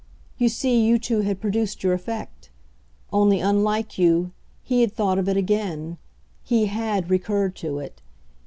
You see you too had produced your effect; only, unlike you, he had thought of it again he HAD recurred to it.